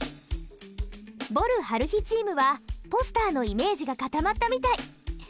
ぼる・晴日チームはポスターのイメージが固まったみたい。